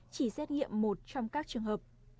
chỉ xét nghiệm một trong các trường hợp